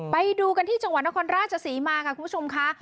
ไปดูกันที่จังหวัดนครราชศรีมาค่ะคุณผู้ชมค่ะ